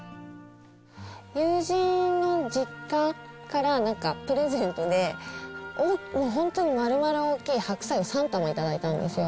友人の実家からなんかプレゼントで、本当にまるまる大きい白菜を３玉頂いたんですよ。